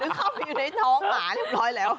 เข้าไปอยู่ในท้องหมาเรียบร้อยแล้ว